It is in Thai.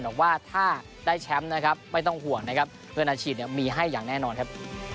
แต่ว่าถ้าได้แชมป์นะครับไม่ต้องห่วงนะครับเพื่อนอาชีพมีให้อย่างแน่นอนครับ